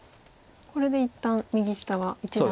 これで一旦右下は一段落。